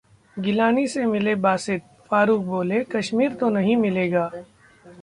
गिलानी से मिले बासित, फारूक बोले- कश्मीर तो नहीं ही मिलेगा